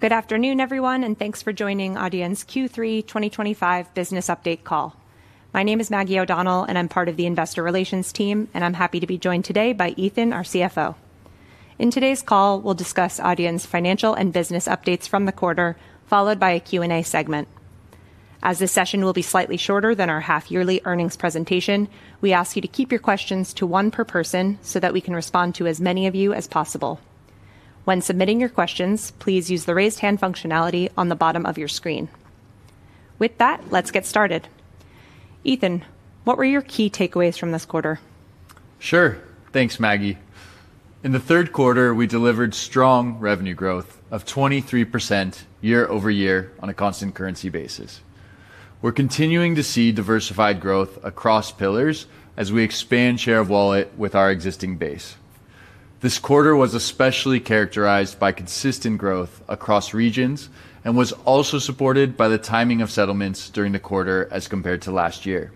Good afternoon, everyone, and thanks for joining Adyen's Q3 2025 Business Update Call. My name is Maggie O'Donnell, and I'm part of the Investor Relations team, and I'm happy to be joined today by Ethan, our CFO. In today's call, we'll discuss Adyen's financial and business updates from the quarter, followed by a Q&A segment. As this session will be slightly shorter than our half-yearly earnings presentation, we ask you to keep your questions to one per person so that we can respond to as many of you as possible. When submitting your questions, please use the raised hand functionality on the bottom of your screen. With that, let's get started. Ethan, what were your key takeaways from this quarter? Sure. Thanks, Maggie. In the third quarter, we delivered strong revenue growth of 23% year-over-year on a constant currency basis. We're continuing to see diversified growth across pillars as we expand share of wallet with our existing base. This quarter was especially characterized by consistent growth across regions and was also supported by the timing of settlements during the quarter as compared to last year.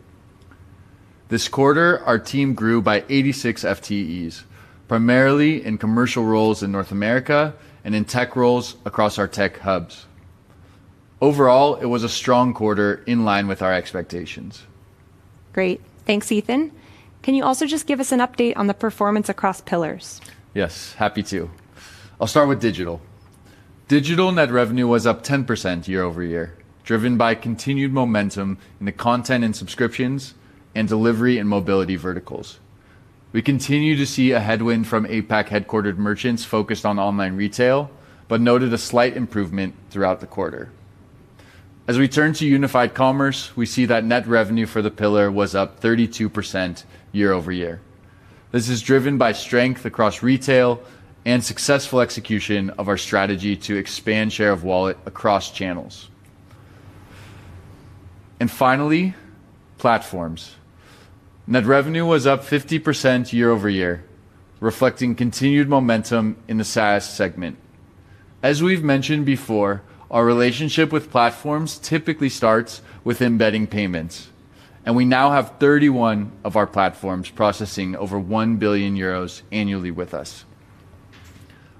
This quarter, our team grew by 86 FTEs, primarily in commercial roles in North America and in tech roles across our tech hubs. Overall, it was a strong quarter in line with our expectations. Great. Thanks, Ethan. Can you also just give us an update on the performance across pillars? Yes, happy to. I'll start with digital. Digital net revenue was up 10% year-over-year, driven by continued momentum in the content and subscriptions and delivery and mobility verticals. We continue to see a headwind from APAC-headquartered merchants focused on online retail, but noted a slight improvement throughout the quarter. As we turn to Unified Commerce, we see that net revenue for the pillar was up 32% year-over-year. This is driven by strength across retail and successful execution of our strategy to expand share of wallet across channels. Finally, platforms. Net revenue was up 50% year-over-year, reflecting continued momentum in the SaaS segment. As we've mentioned before, our relationship with platforms typically starts with embedding payments, and we now have 31 of our platforms processing over 1 billion euros annually with us.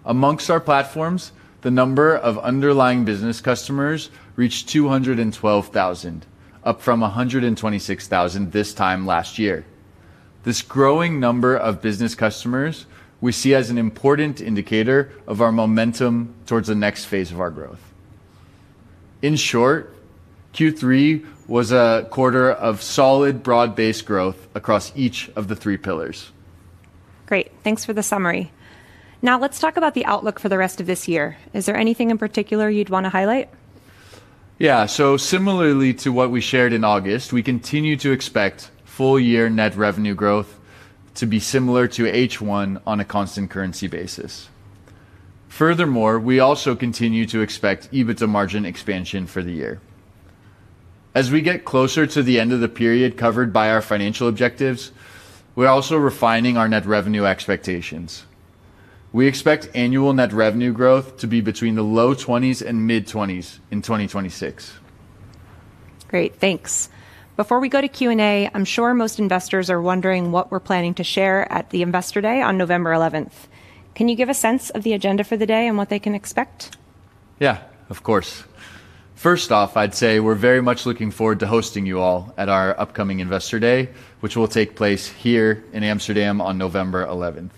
Amongst our platforms, the number of underlying business customers reached 212,000, up from 126,000 this time last year. This growing number of business customers we see as an important indicator of our momentum towards the next phase of our growth. In short, Q3 was a quarter of solid broad-based growth across each of the three pillars. Great. Thanks for the summary. Now let's talk about the outlook for the rest of this year. Is there anything in particular you'd want to highlight? Yeah, so similarly to what we shared in August, we continue to expect full-year net revenue growth to be similar to H1 on a constant currency basis. Furthermore, we also continue to expect EBITDA margin expansion for the year. As we get closer to the end of the period covered by our financial objectives, we're also refining our net revenue expectations. We expect annual net revenue growth to be between the low 20s and mid-20s in 2026. Great, thanks. Before we go to Q&A, I'm sure most investors are wondering what we're planning to share at the Investor Day on November 11. Can you give a sense of the agenda for the day and what they can expect? Yeah, of course. First off, I'd say we're very much looking forward to hosting you all at our upcoming Investor Day, which will take place here in Amsterdam on November 11th.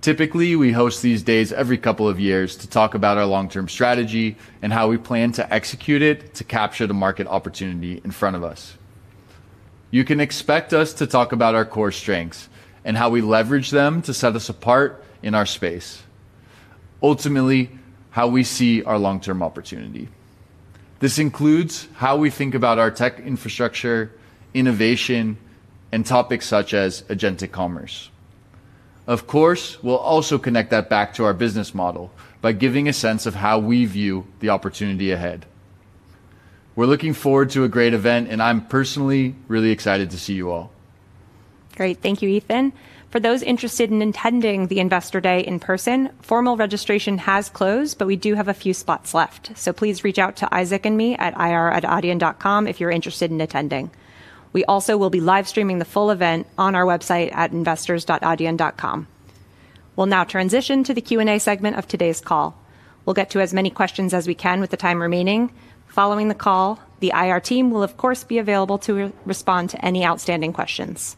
Typically, we host these days every couple of years to talk about our long-term strategy and how we plan to execute it to capture the market opportunity in front of us. You can expect us to talk about our core strengths and how we leverage them to set us apart in our space. Ultimately, how we see our long-term opportunity. This includes how we think about our tech infrastructure, innovation, and topics such as agentic commerce. Of course, we'll also connect that back to our business model by giving a sense of how we view the opportunity ahead. We're looking forward to a great event, and I'm personally really excited to see you all. Great, thank you, Ethan. For those interested in attending the Investor Day in person, formal registration has closed, but we do have a few spots left, so please reach out to Isaac and me at ir@adyen.com if you're interested in attending. We also will be live streaming the full event on our website at investors.adyen.com. We'll now transition to the Q&A segment of today's call. We'll get to as many questions as we can with the time remaining. Following the call, the IR team will, of course, be available to respond to any outstanding questions.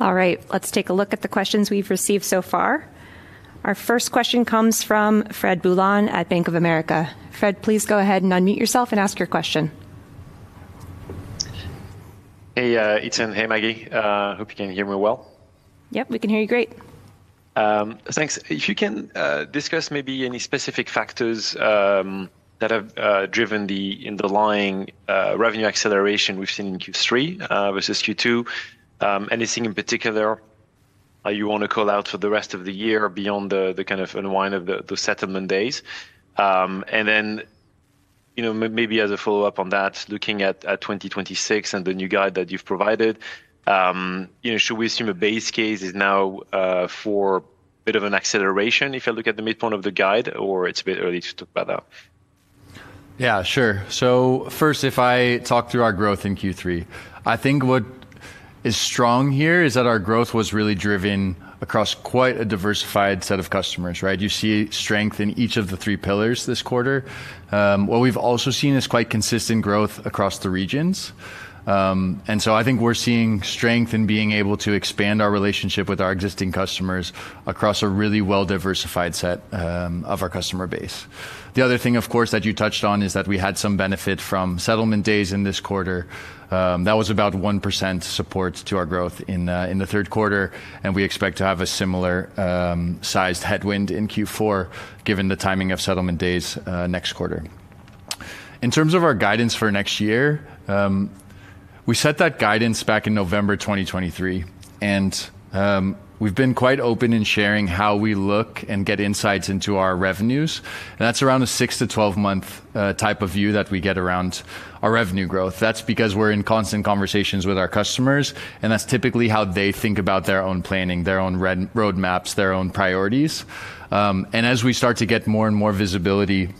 All right, let's take a look at the questions we've received so far. Our first question comes from Fred Boulan at Bank of America. Fred, please go ahead and unmute yourself and ask your question. Hey, Ethan. Hey, Maggie. Hope you can hear me well. Yep, we can hear you great. Thanks. If you can discuss maybe any specific factors that have driven the underlying revenue acceleration we've seen in Q3 versus Q2, anything in particular you want to call out for the rest of the year beyond the kind of unwind of the settlement day timing? Maybe as a follow-up on that, looking at 2026 and the new guide that you've provided, should we assume a base case is now for a bit of an acceleration if I look at the midpoint of the guide, or it's a bit early to talk about that? Yeah, sure. If I talk through our growth in Q3, what is strong here is that our growth was really driven across quite a diversified set of customers, right? You see strength in each of the three pillars this quarter. We've also seen quite consistent growth across the regions. I think we're seeing strength in being able to expand our relationship with our existing customers across a really well-diversified set of our customer base. The other thing, of course, that you touched on is that we had some benefit from settlement days in this quarter. That was about 1% support to our growth in the third quarter, and we expect to have a similar-sized headwind in Q4 given the timing of settlement days next quarter. In terms of our guidance for next year, we set that guidance back in November 2023, and we've been quite open in sharing how we look and get insights into our revenues. That's around a six to 12-month type of view that we get around our revenue growth. That's because we're in constant conversations with our customers, and that's typically how they think about their own planning, their own roadmaps, their own priorities. As we start to get more and more visibility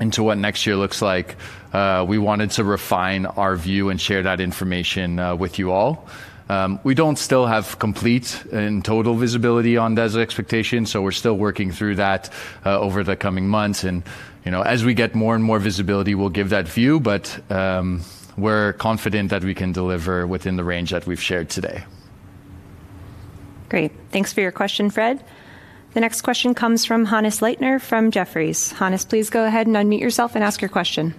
into what next year looks like, we wanted to refine our view and share that information with you all. We don't still have complete and total visibility on those expectations, so we're still working through that over the coming months. As we get more and more visibility, we'll give that view, but we're confident that we can deliver within the range that we've shared today. Great. Thanks for your question, Fred. The next question comes from Hannes Leitner from Jefferies. Hannes, please go ahead and unmute yourself and ask your question.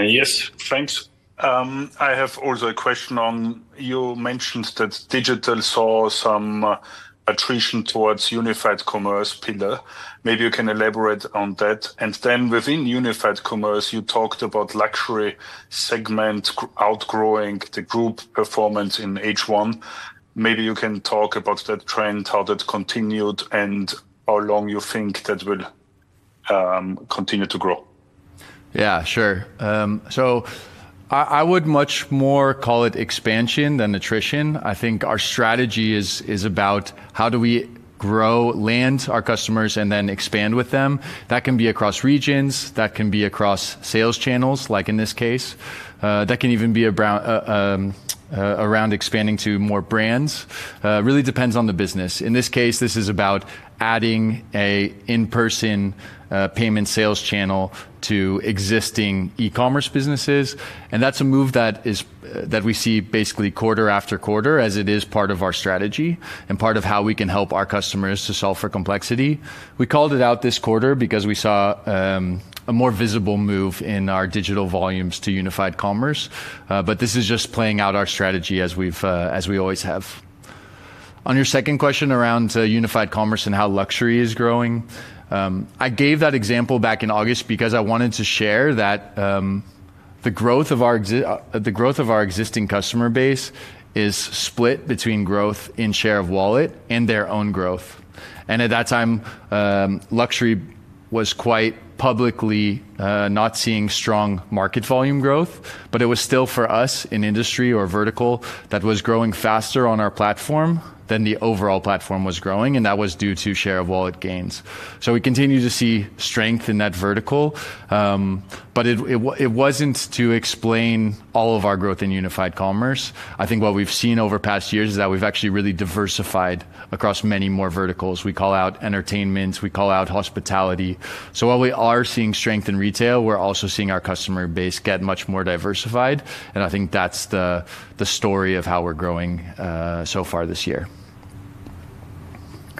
Yes, thanks. I have also a question on you mentioned that digital saw some attrition towards the Unified Commerce pillar. Maybe you can elaborate on that. Within Unified Commerce, you talked about the luxury segment outgrowing the group performance in H1. Maybe you can talk about that trend, how that continued, and how long you think that will continue to grow. Yeah, sure. I would much more call it expansion than attrition. I think our strategy is about how do we grow, land our customers, and then expand with them. That can be across regions. That can be across sales channels, like in this case. That can even be around expanding to more brands. It really depends on the business. In this case, this is about adding an in-person payment sales channel to existing e-commerce businesses. That's a move that we see basically quarter after quarter as it is part of our strategy and part of how we can help our customers to solve for complexity. We called it out this quarter because we saw a more visible move in our digital volumes to Unified Commerce. This is just playing out our strategy as we always have. On your second question around Unified Commerce and how luxury is growing, I gave that example back in August because I wanted to share that the growth of our existing customer base is split between growth in share of wallet and their own growth. At that time, luxury was quite publicly not seeing strong market volume growth, but it was still for us an industry or vertical that was growing faster on our platform than the overall platform was growing, and that was due to share of wallet gains. We continue to see strength in that vertical, but it wasn't to explain all of our growth in Unified Commerce. I think what we've seen over past years is that we've actually really diversified across many more verticals. We call out entertainment. We call out hospitality. While we are seeing strength in retail, we're also seeing our customer base get much more diversified. I think that's the story of how we're growing so far this year.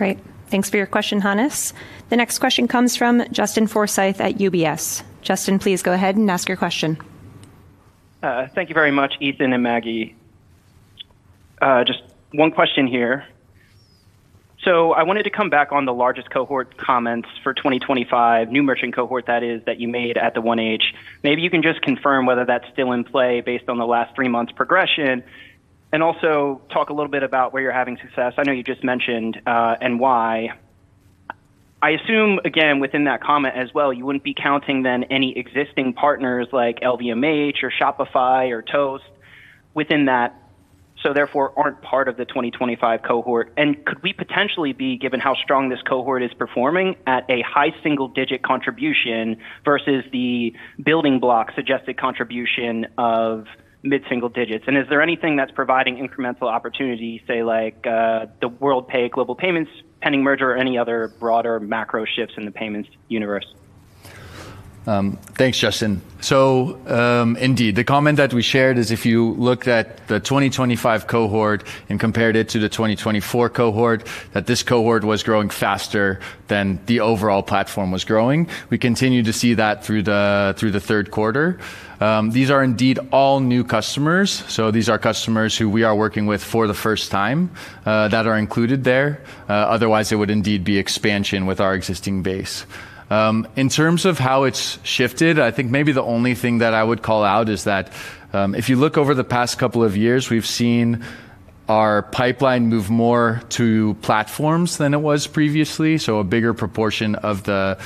Great. Thanks for your question, Hannes. The next question comes from Justin Forsythe at UBS. Justin, please go ahead and ask your question. Thank you very much, Ethan and Maggie. Just one question here. I wanted to come back on the largest cohort comments for 2025, new merchant cohort that is, that you made at the 1H. Maybe you can just confirm whether that's still in play based on the last three months' progression and also talk a little bit about where you're having success. I know you just mentioned and why. I assume, again, within that comment as well, you wouldn't be counting then any existing partners like LVMH or Shopify or Toast within that, so therefore aren't part of the 2025 cohort. Could we potentially be, given how strong this cohort is performing, at a high single-digit contribution versus the building block suggested contribution of mid-single digits? Is there anything that's providing incremental opportunity, say, like the Worldpay Global Payments pending merger or any other broader macro shifts in the payments universe? Thanks, Justin. Indeed, the comment that we shared is if you looked at the 2025 cohort and compared it to the 2024 cohort, that this cohort was growing faster than the overall platform was growing. We continue to see that through the third quarter. These are indeed all new customers. These are customers who we are working with for the first time that are included there. Otherwise, it would indeed be expansion with our existing base. In terms of how it's shifted, I think maybe the only thing that I would call out is that if you look over the past couple of years, we've seen our pipeline move more to platforms than it was previously. A bigger proportion of the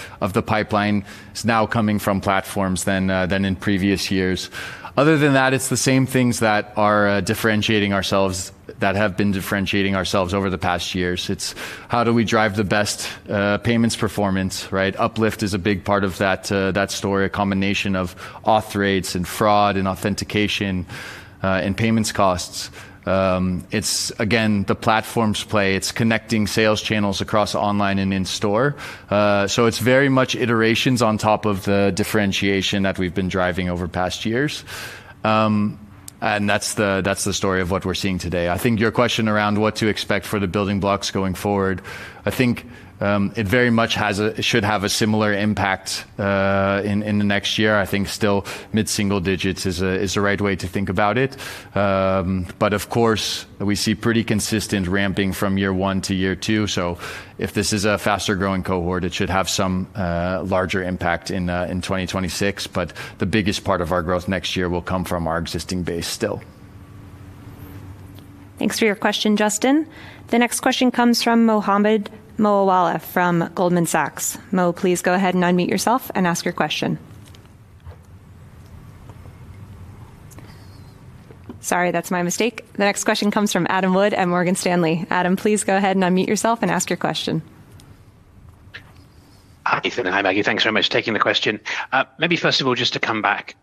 pipeline is now coming from platforms than in previous years. Other than that, it's the same things that are differentiating ourselves that have been differentiating ourselves over the past years. It's how do we drive the best payments performance, right? Uplift is a big part of that story, a combination of auth rates, and fraud, and authentication, and payments costs. It's again the platforms play. It's connecting sales channels across online and in-store. It is very much iterations on top of the differentiation that we've been driving over past years. That's the story of what we're seeing today. I think your question around what to expect for the building blocks going forward, I think it very much should have a similar impact in the next year. I think still mid-single digits is the right way to think about it. Of course, we see pretty consistent ramping from year one to year two. If this is a faster growing cohort, it should have some larger impact in 2026. The biggest part of our growth next year will come from our existing base still. Thanks for your question, Justin. The next question comes from Mohammed Moawalla from Goldman Sachs. Mo, please go ahead and unmute yourself and ask your question. Sorry, that's my mistake. The next question comes from Adam Wood at Morgan Stanley. Adam, please go ahead and unmute yourself and ask your question. Hi, Ethan. Hi, Maggie. Thanks very much for taking the question. Maybe first of all, just to come back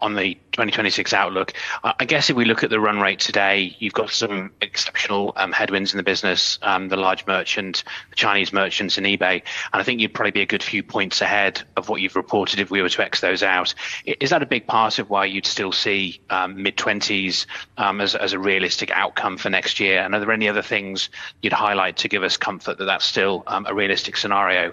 on the 2026 outlook, I guess if we look at the run rate today, you've got some exceptional headwinds in the business, the large merchants, the Chinese merchants, and eBay. I think you'd probably be a good few points ahead of what you've reported if we were to X those out. Is that a big part of why you'd still see mid-20s as a realistic outcome for next year? Are there any other things you'd highlight to give us comfort that that's still a realistic scenario?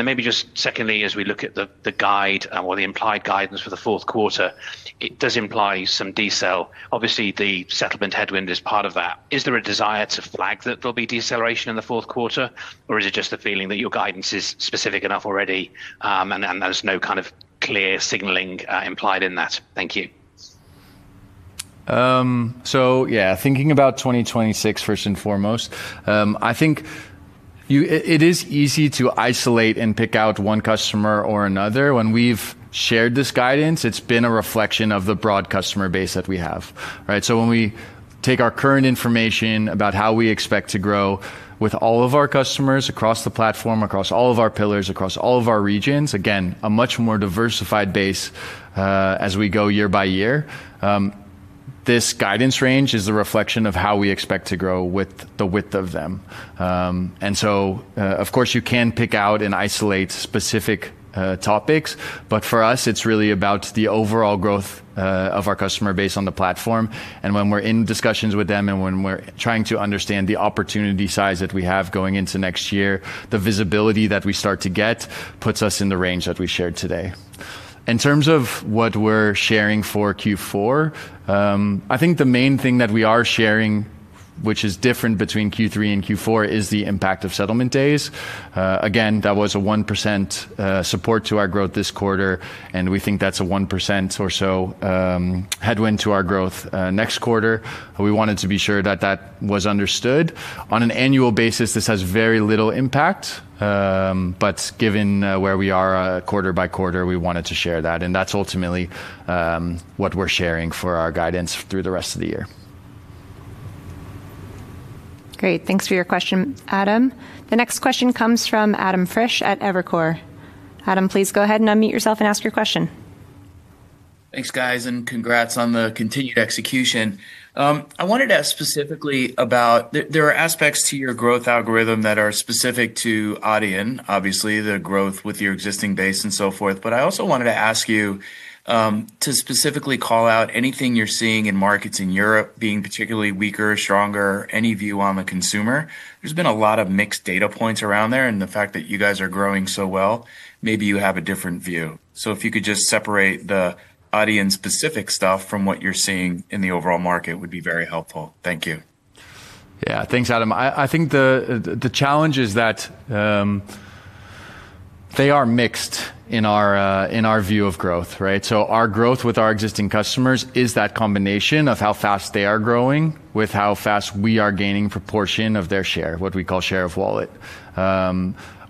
Maybe just secondly, as we look at the guide or the implied guidance for the fourth quarter, it does imply some decel. Obviously, the settlement headwind is part of that. Is there a desire to flag that there'll be deceleration in the fourth quarter, or is it just the feeling that your guidance is specific enough already and there's no kind of clear signaling implied in that? Thank you. Thinking about 2026, first and foremost, I think it is easy to isolate and pick out one customer or another. When we've shared this guidance, it's been a reflection of the broad customer base that we have. When we take our current information about how we expect to grow with all of our customers across the platform, across all of our pillars, across all of our regions, again, a much more diversified base as we go year by year. This guidance range is the reflection of how we expect to grow with the width of them. Of course, you can pick out and isolate specific topics, but for us, it's really about the overall growth of our customer base on the platform. When we're in discussions with them and when we're trying to understand the opportunity size that we have going into next year, the visibility that we start to get puts us in the range that we shared today. In terms of what we're sharing for Q4, I think the main thing that we are sharing, which is different between Q3 and Q4, is the impact of settlement days. That was a 1% support to our growth this quarter, and we think that's a 1% or so headwind to our growth next quarter. We wanted to be sure that that was understood. On an annual basis, this has very little impact, but given where we are quarter by quarter, we wanted to share that. That's ultimately what we're sharing for our guidance through the rest of the year. Great. Thanks for your question, Adam. The next question comes from Adam Frisch at Evercore. Adam, please go ahead and unmute yourself and ask your question. Thanks, guys, and congrats on the continued execution. I wanted to ask specifically about there are aspects to your growth algorithm that are specific to Adyen, obviously the growth with your existing base and so forth. I also wanted to ask you to specifically call out anything you're seeing in markets in Europe being particularly weaker, stronger, any view on the consumer. There's been a lot of mixed data points around there, and the fact that you guys are growing so well, maybe you have a different view. If you could just separate the Adyen specific stuff from what you're seeing in the overall market, it would be very helpful. Thank you. Yeah, thanks, Adam. I think the challenge is that they are mixed in our view of growth, right? Our growth with our existing customers is that combination of how fast they are growing with how fast we are gaining a proportion of their share, what we call share of wallet.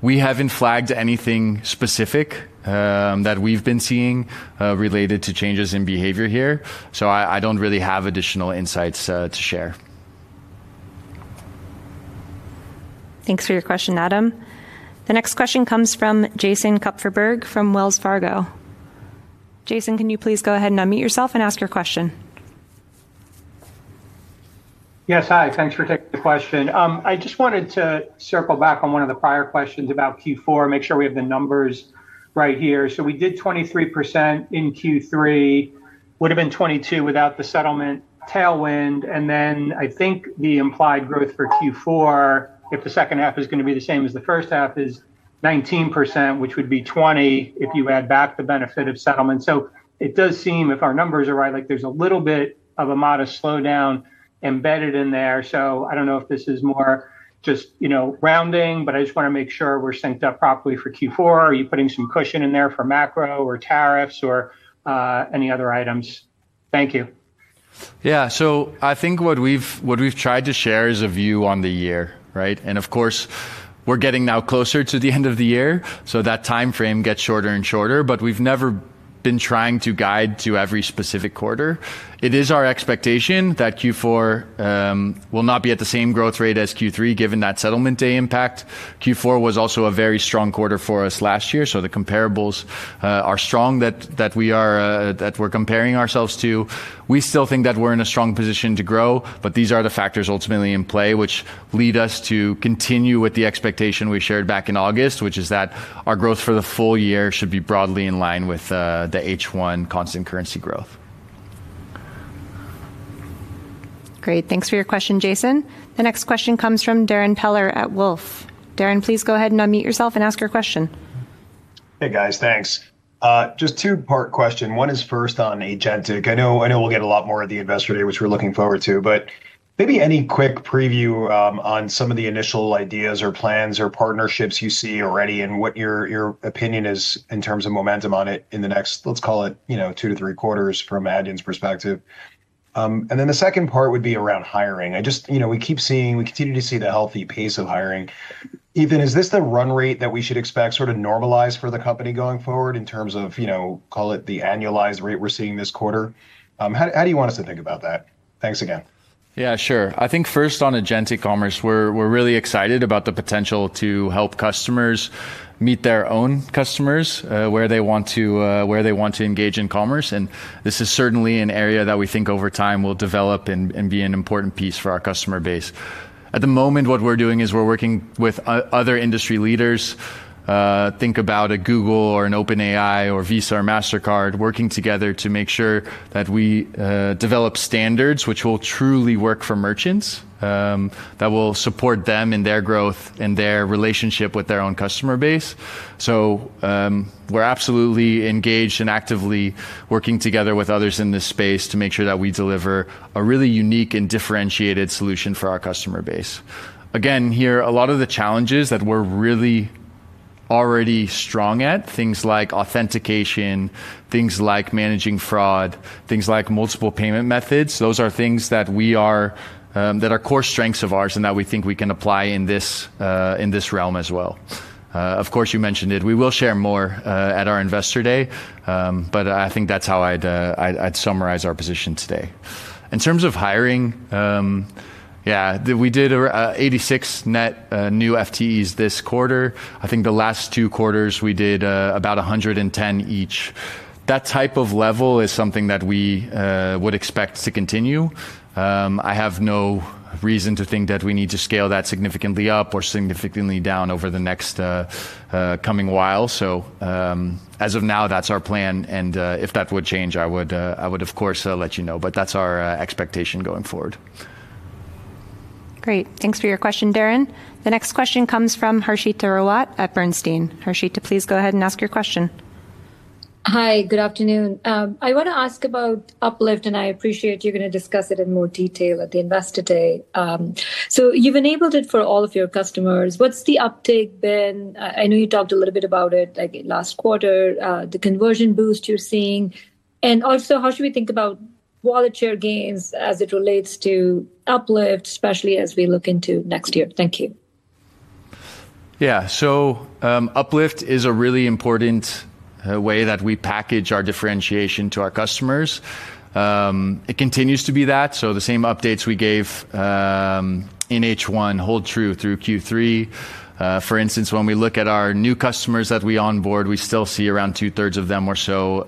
We haven't flagged anything specific that we've been seeing related to changes in behavior here. I don't really have additional insights to share. Thanks for your question, Adam. The next question comes from Jason Kupferberg from Wells Fargo. Jason, can you please go ahead and unmute yourself and ask your question? Yes, hi. Thanks for taking the question. I just wanted to circle back on one of the prior questions about Q4, make sure we have the numbers right here. We did 23% in Q3, would have been 22% without the settlement tailwind. I think the implied growth for Q4, if the second half is going to be the same as the first half, is 19%, which would be 20% if you add back the benefit of settlement. It does seem, if our numbers are right, like there's a little bit of a modest slowdown embedded in there. I don't know if this is more just, you know, rounding, but I just want to make sure we're synced up properly for Q4. Are you putting some cushion in there for macro or tariffs or any other items? Thank you. Yeah, I think what we've tried to share is a view on the year, right? Of course, we're getting now closer to the end of the year, so that timeframe gets shorter and shorter, but we've never been trying to guide to every specific quarter. It is our expectation that Q4 will not be at the same growth rate as Q3, given that settlement day impact. Q4 was also a very strong quarter for us last year, so the comparables are strong that we're comparing ourselves to. We still think that we're in a strong position to grow, but these are the factors ultimately in play, which lead us to continue with the expectation we shared back in August, which is that our growth for the full year should be broadly in line with the H1 constant currency growth. Great, thanks for your question, Jason. The next question comes from Darrin Peller at Wolfe. Darrin, please go ahead and unmute yourself and ask your question. Hey, guys, thanks. Just two-part question. One is first on agentic commerce. I know we'll get a lot more at the Investor Day, which we're looking forward to, but maybe any quick preview on some of the initial ideas or plans or partnerships you see already and what your opinion is in terms of momentum on it in the next, let's call it, you know, two to three quarters from Adyen's perspective. The second part would be around hiring. I just, you know, we keep seeing, we continue to see the healthy pace of hiring. Evan, is this the run rate that we should expect sort of normalized for the company going forward in terms of, you know, call it the annualized rate we're seeing this quarter? How do you want us to think about that? Thanks again. Yeah, sure. I think first on agentic commerce, we're really excited about the potential to help customers meet their own customers where they want to engage in commerce. This is certainly an area that we think over time will develop and be an important piece for our customer base. At the moment, what we're doing is we're working with other industry leaders. Think about a Google or an OpenAI or Visa or Mastercard working together to make sure that we develop standards which will truly work for merchants, that will support them in their growth and their relationship with their own customer base. We are absolutely engaged and actively working together with others in this space to make sure that we deliver a really unique and differentiated solution for our customer base. Again, here, a lot of the challenges that we're really already strong at, things like authentication, things like managing fraud, things like multiple payment methods, those are things that are core strengths of ours and that we think we can apply in this realm as well. Of course, you mentioned it. We will share more at our Investor Day, but I think that's how I'd summarize our position today. In terms of hiring, yeah, we did 86 net new FTEs this quarter. I think the last two quarters we did about 110 each. That type of level is something that we would expect to continue. I have no reason to think that we need to scale that significantly up or significantly down over the next coming while. As of now, that's our plan. If that would change, I would, of course, let you know. That's our expectation going forward. Great. Thanks for your question, Darren. The next question comes from Harshita Rawat at Bernstein. Harshita, please go ahead and ask your question. Hi, good afternoon. I want to ask about Uplift, and I appreciate you're going to discuss it in more detail at the Investor Day. You've enabled it for all of your customers. What's the uptake been? I know you talked a little bit about it last quarter, the conversion boost you're seeing. Also, how should we think about wallet share gains as it relates to Uplift, especially as we look into next year? Thank you. Yeah, Uplift is a really important way that we package our differentiation to our customers. It continues to be that. The same updates we gave in H1 hold true through Q3. For instance, when we look at our new customers that we onboard, we still see around two-thirds of them or so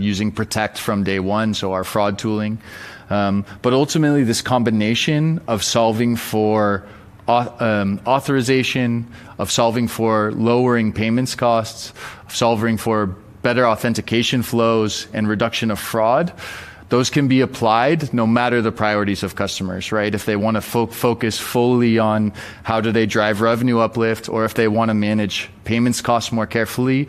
using Protect from day one, so our fraud tooling. Ultimately, this combination of solving for authorization, solving for lowering payments costs, solving for better authentication flows, and reduction of fraud can be applied no matter the priorities of customers, right? If they want to focus fully on how do they drive revenue uplift, or if they want to manage payments costs more carefully,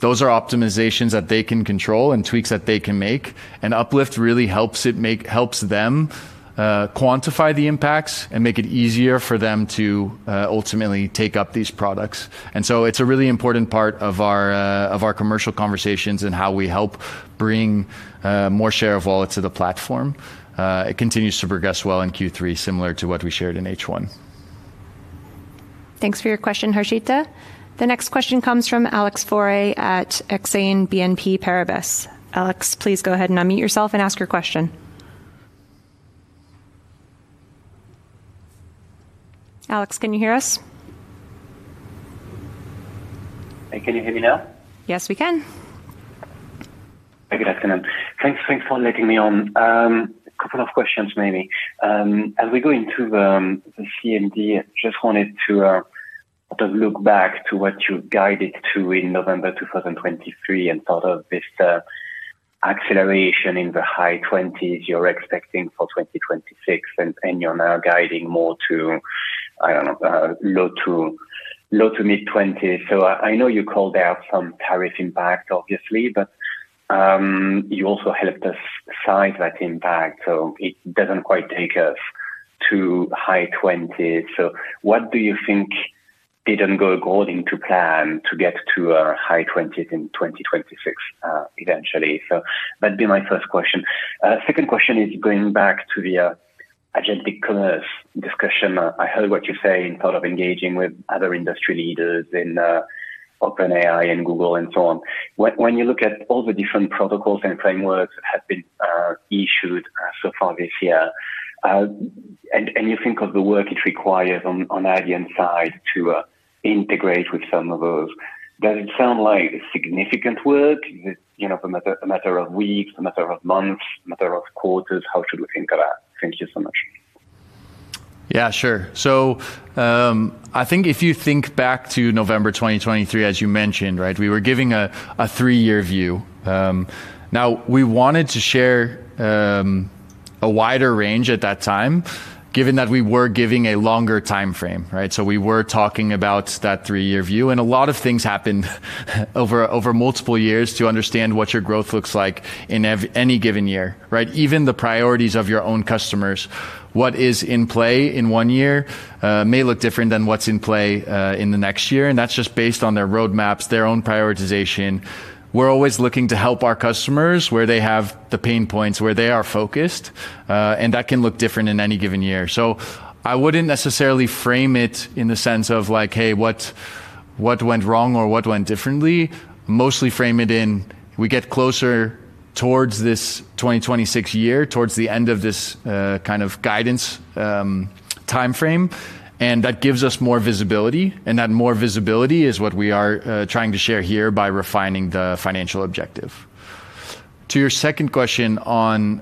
those are optimizations that they can control and tweaks that they can make. Uplift really helps them quantify the impacts and make it easier for them to ultimately take up these products. It's a really important part of our commercial conversations and how we help bring more share of wallet to the platform. It continues to progress well in Q3, similar to what we shared in H1. Thanks for your question, Harshita. The next question comes from Alex Faure at Exane BNP Paribas. Alex, please go ahead and unmute yourself and ask your question. Alex, can you hear us? Hey, can you hear me now? Yes, we can. Thanks for letting me on. A couple of questions, maybe. As we go into the CMD, I just wanted to sort of look back to what you guided to in November 2023 and sort of this acceleration in the high 20% you're expecting for 2026. You're now guiding more to, I don't know, low to mid-20%. I know you called out some tariff impact, obviously, but you also helped us size that impact. It doesn't quite take us to high 20%. What do you think didn't go according to plan to get to a high 20% in 2026 eventually? That'd be my first question. Second question is going back to the agentic commerce discussion. I heard what you say in part of engaging with other industry leaders in OpenAI and Google and so on. When you look at all the different protocols and frameworks that have been issued so far this year, and you think of the work it requires on Adyen's side to integrate with some of those, does it sound like significant work? Is it a matter of weeks, a matter of months, a matter of quarters? How should we think of that? Thank you so much. Yeah, sure. I think if you think back to November 2023, as you mentioned, we were giving a three-year view. We wanted to share a wider range at that time, given that we were giving a longer timeframe. We were talking about that three-year view, and a lot of things happened over multiple years to understand what your growth looks like in any given year. Even the priorities of your own customers, what is in play in one year may look different than what's in play in the next year, and that's just based on their roadmaps, their own prioritization. We're always looking to help our customers where they have the pain points, where they are focused, and that can look different in any given year. I wouldn't necessarily frame it in the sense of like, hey, what went wrong or what went differently. I would mostly frame it in as we get closer towards this 2026 year, towards the end of this kind of guidance timeframe, and that gives us more visibility, and that more visibility is what we are trying to share here by refining the financial objective. To your second question on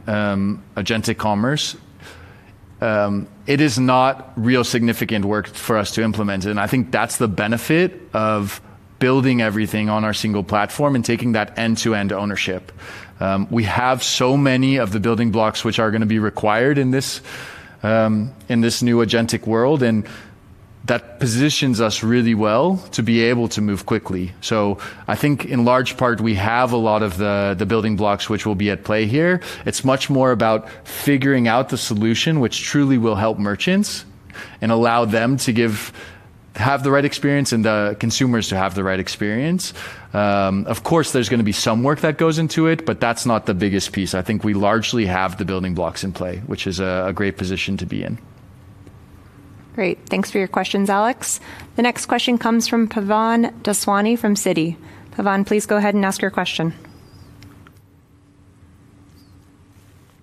agentic commerce, it is not real significant work for us to implement it, and I think that's the benefit of building everything on our single platform and taking that end-to-end ownership. We have so many of the building blocks which are going to be required in this new agentic world, and that positions us really well to be able to move quickly. I think in large part we have a lot of the building blocks which will be at play here. It's much more about figuring out the solution which truly will help merchants and allow them to have the right experience and the consumers to have the right experience. Of course, there's going to be some work that goes into it, but that's not the biggest piece. I think we largely have the building blocks in play, which is a great position to be in. Great. Thanks for your questions, Alex. The next question comes from Pavan Daswani from Citi. Pavan, please go ahead and ask your question.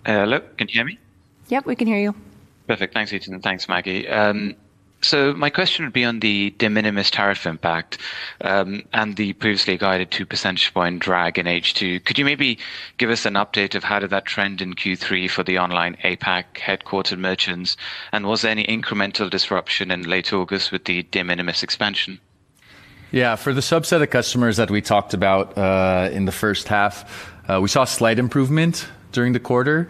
Hello, can you hear me? Yep, we can hear you. Perfect. Thanks, Ethan. Thanks, Maggie. My question would be on the de minimis tariff impact and the previously guided 2% drag in H2. Could you maybe give us an update of how did that trend in Q3 for the online APAC headquartered merchants? Was there any incremental disruption in late August with the de minimis expansion? For the subset of customers that we talked about in the first half, we saw slight improvement during the quarter.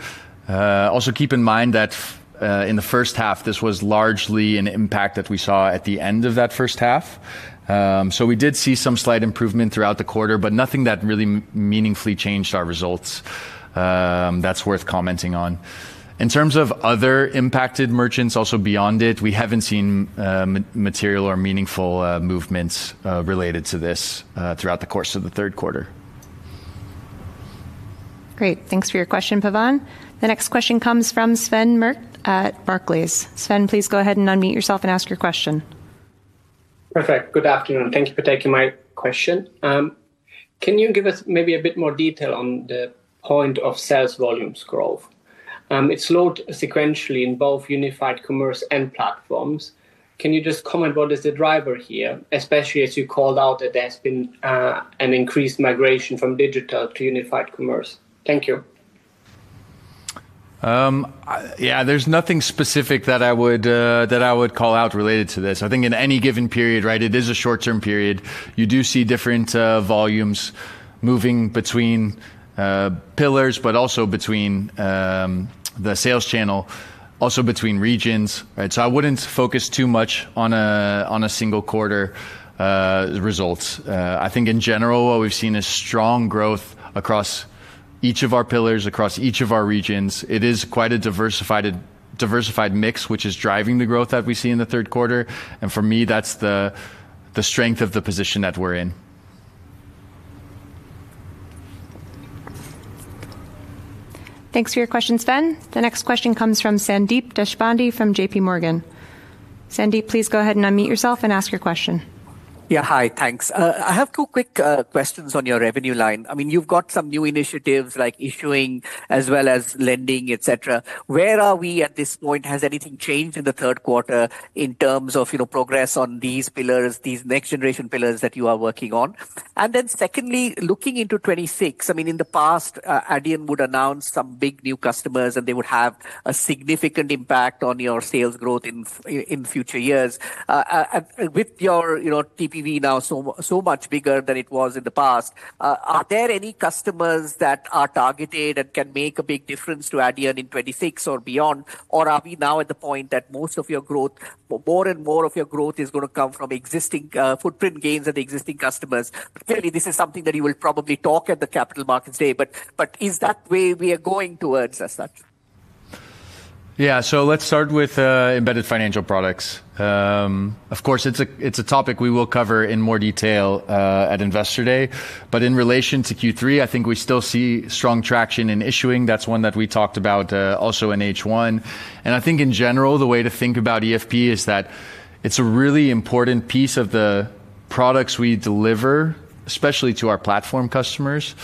Also, keep in mind that in the first half, this was largely an impact that we saw at the end of that first half. We did see some slight improvement throughout the quarter, but nothing that really meaningfully changed our results. That's worth commenting on. In terms of other impacted merchants also beyond it, we haven't seen material or meaningful movements related to this throughout the course of the third quarter. Great. Thanks for your question, Pavan. The next question comes from Sven Merkt at Barclays. Sven, please go ahead and unmute yourself and ask your question. Perfect. Good afternoon. Thank you for taking my question. Can you give us maybe a bit more detail on the point of sales volumes growth? It slowed sequentially in both Unified Commerce and platforms. Can you just comment what is the driver here, especially as you called out that there's been an increased migration from digital to Unified Commerce? Thank you. Yeah, there's nothing specific that I would call out related to this. I think in any given period, it is a short-term period. You do see different volumes moving between pillars, but also between the sales channel, also between regions, right? I wouldn't focus too much on a single quarter results. I think in general, what we've seen is strong growth across each of our pillars, across each of our regions. It is quite a diversified mix, which is driving the growth that we see in the third quarter. For me, that's the strength of the position that we're in. Thanks for your question, Sven. The next question comes from Sandeep Deshpande from JPMorgan. Sandeep, please go ahead and unmute yourself and ask your question. Yeah, hi, thanks. I have two quick questions on your revenue line. I mean, you've got some new initiatives like issuing as well as lending, etc. Where are we at this point? Has anything changed in the third quarter in terms of, you know, progress on these pillars, these next generation pillars that you are working on? Secondly, looking into 2026, I mean, in the past, Adyen would announce some big new customers and they would have a significant impact on your sales growth in future years. With your TPV now so much bigger than it was in the past, are there any customers that are targeted and can make a big difference to Adyen in 2026 or beyond? Are we now at the point that most of your growth, more and more of your growth is going to come from existing footprint gains and existing customers? Clearly, this is something that you will probably talk at the Capital Markets Day, but is that where we are going towards as such? Yeah, so let's start with embedded financial products. Of course, it's a topic we will cover in more detail at Investor Day, but in relation to Q3, I think we still see strong traction in issuing. That's one that we talked about also in H1. I think in general, the way to think about embedded financial products is that it's a really important piece of the products we deliver, especially to our platform customers.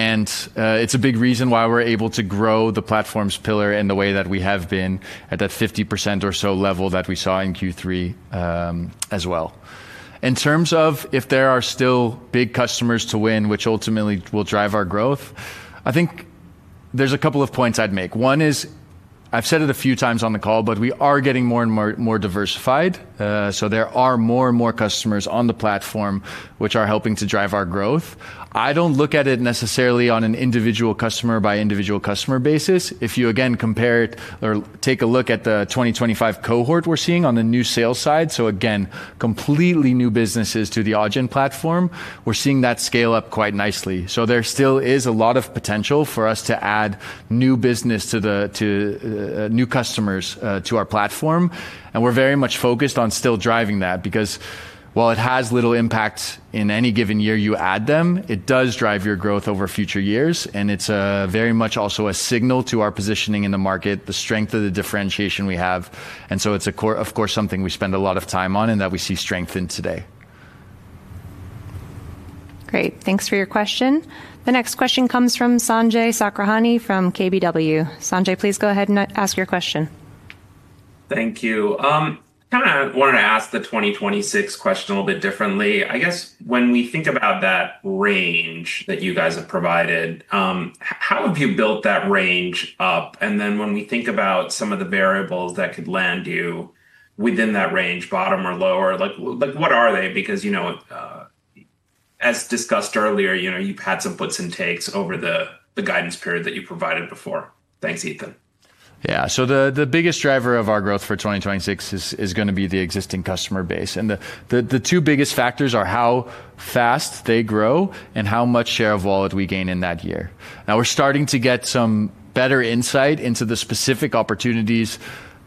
It's a big reason why we're able to grow the platform's pillar in the way that we have been at that 50% or so level that we saw in Q3 as well. In terms of if there are still big customers to win, which ultimately will drive our growth, I think there's a couple of points I'd make. One is, I've said it a few times on the call, but we are getting more and more diversified. There are more and more customers on the platform which are helping to drive our growth. I don't look at it necessarily on an individual customer by individual customer basis. If you again compare it or take a look at the 2025 cohort we're seeing on the new sales side, so again, completely new businesses to the Adyen platform, we're seeing that scale up quite nicely. There still is a lot of potential for us to add new business to new customers to our platform. We're very much focused on still driving that because while it has little impact in any given year you add them, it does drive your growth over future years. It's very much also a signal to our positioning in the market, the strength of the differentiation we have. It's, of course, something we spend a lot of time on and that we see strength in today. Great. Thanks for your question. The next question comes from Sanjay Sakhrani from KBW. Sanjay, please go ahead and ask your question. Thank you. I wanted to ask the 2026 question a little bit differently. I guess when we think about that range that you guys have provided, how have you built that range up? When we think about some of the variables that could land you within that range, bottom or lower, what are they? As discussed earlier, you've had some puts and takes over the guidance period that you provided before. Thanks, Ethan. Yeah, the biggest driver of our growth for 2026 is going to be the existing customer base. The two biggest factors are how fast they grow and how much share of wallet we gain in that year. Now we're starting to get some better insight into the specific opportunities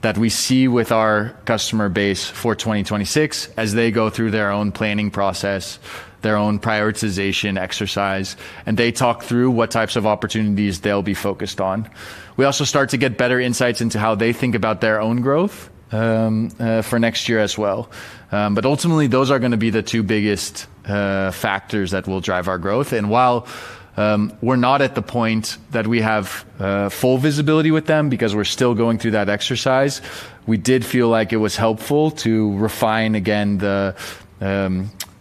that we see with our customer base for 2026 as they go through their own planning process, their own prioritization exercise, and they talk through what types of opportunities they'll be focused on. We also start to get better insights into how they think about their own growth for next year as well. Ultimately, those are going to be the two biggest factors that will drive our growth. While we're not at the point that we have full visibility with them because we're still going through that exercise, we did feel like it was helpful to refine again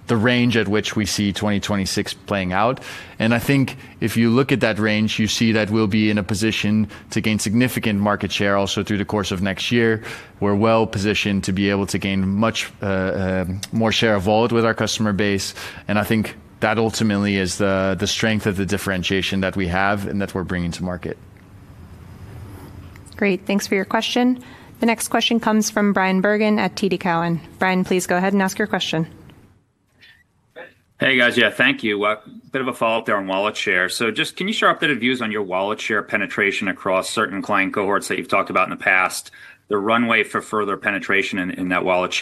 the range at which we see 2026 playing out. I think if you look at that range, you see that we'll be in a position to gain significant market share also through the course of next year. We're well positioned to be able to gain much more share of wallet with our customer base. I think that ultimately is the strength of the differentiation that we have and that we're bringing to market. Great. Thanks for your question. The next question comes from Bryan Bergin at TD Cowen. Bryan, please go ahead and ask your question. Thank you. A bit of a follow-up there on wallet share. Can you share updated views on your wallet share penetration across certain client cohorts that you've talked about in the past, the runway for further penetration in that wallet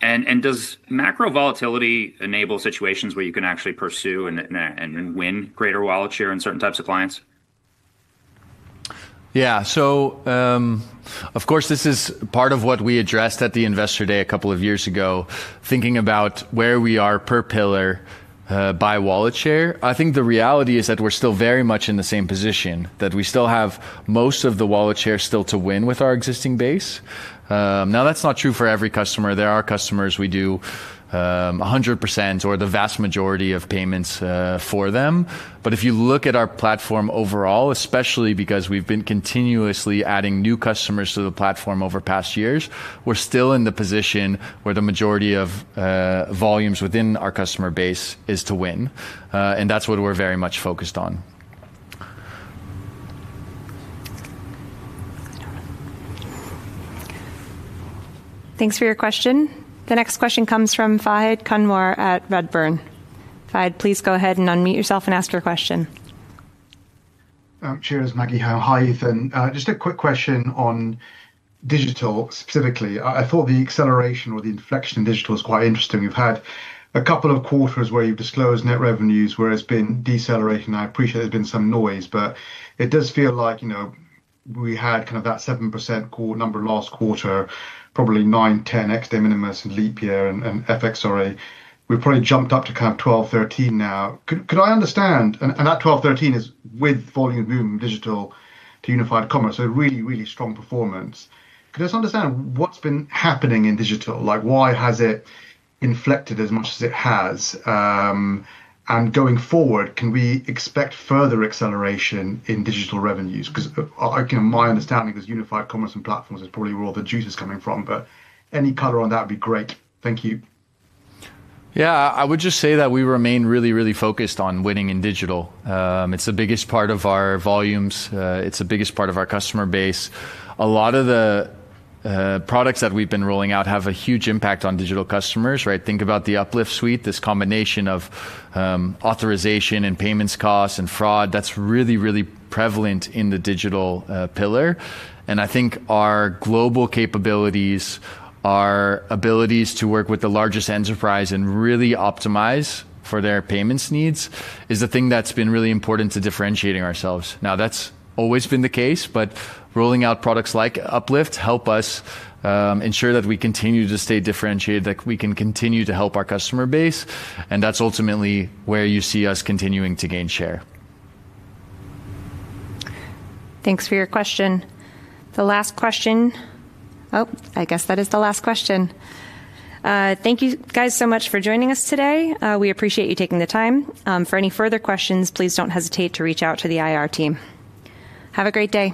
share? Does macro volatility enable situations where you can actually pursue and win greater wallet share in certain types of clients? Yeah, so of course this is part of what we addressed at the Investor Day a couple of years ago, thinking about where we are per pillar by wallet share. I think the reality is that we're still very much in the same position, that we still have most of the wallet share still to win with our existing base. Now that's not true for every customer. There are customers we do 100% or the vast majority of payments for them. If you look at our platform overall, especially because we've been continuously adding new customers to the platform over past years, we're still in the position where the majority of volumes within our customer base is to win. That's what we're very much focused on. Thanks for your question. The next question comes from Fahed Kunwar at Redburn. Fahed, please go ahead and unmute yourself and ask your question. Maggie, hi Ethan. Just a quick question on digital specifically. I thought the acceleration or the inflection in digital was quite interesting. We've had a couple of quarters where you've disclosed net revenues where it's been decelerating. I appreciate there's been some noise, but it does feel like, you know, we had kind of that 7% number last quarter, probably 9%, 10% ex de minimis and leap year and FXRA. We've probably jumped up to kind of 12%, 13% now. Could I understand, and that 12%, 13% is with volume boom digital to Unified Commerce, so really, really strong performance. Could I just understand what's been happening in digital? Like why has it inflected as much as it has? Going forward, can we expect further acceleration in digital revenues? My understanding is Unified Commerce and platform partners is probably where all the juice is coming from, but any color on that would be great. Thank you. Yeah, I would just say that we remain really, really focused on winning in digital. It's the biggest part of our volumes. It's the biggest part of our customer base. A lot of the products that we've been rolling out have a huge impact on digital customers, right? Think about the Uplift suite, this combination of authorization and payments costs and fraud. That's really, really prevalent in the digital pillar. I think our global capabilities, our abilities to work with the largest enterprise and really optimize for their payments needs is the thing that's been really important to differentiating ourselves. Now that's always been the case, but rolling out products like Uplift helps us ensure that we continue to stay differentiated, that we can continue to help our customer base. That's ultimately where you see us continuing to gain share. Thanks for your question. The last question. Oh, I guess that is the last question. Thank you guys so much for joining us today. We appreciate you taking the time. For any further questions, please don't hesitate to reach out to the IR team. Have a great day.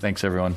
Thanks, everyone.